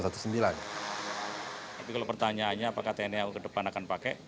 jadi kalau pertanyaannya apakah tni yang ke depan akan pakai